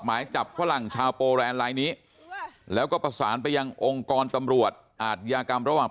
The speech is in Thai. หมายจับฝรั่งชาวโปแรนด์ลายนี้แล้วก็ประสานไปยังองค์กรตำรวจอาทยากรรมระหว่าง